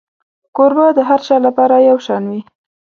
کوربه د هر چا لپاره یو شان وي.